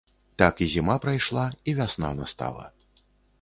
Так і зіма прайшла, і вясна настала.